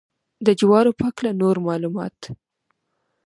د جوارو په هکله نور معلومات.